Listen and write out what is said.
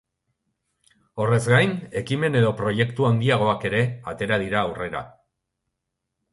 Horrez gain, ekimen edo proiektu handiagoak ere atera dira aurrera.